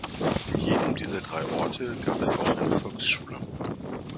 In jedem dieser drei Orte gab es auch eine Volksschule.